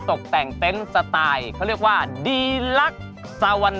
ตามแอฟผู้ชมห้องน้ำด้านนอกกันเลยดีกว่าครับ